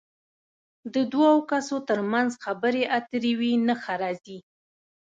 د دوو کسو تر منځ خبرې اترې وي نښه راځي.